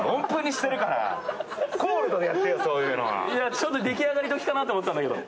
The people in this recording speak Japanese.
ちょっと出来上がり時かなと思ったんだけど。